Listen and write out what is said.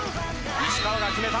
石川が決めた。